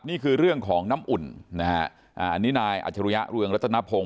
นี่คือเรื่องของน้ำอุ่นนะฮะอันนี้นายอัจฉริยะเรืองรัตนพงศ